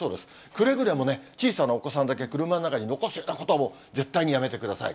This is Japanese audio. くれぐれも小さなお子さんだけ、車の中に残すようなことも、絶対にやめてください。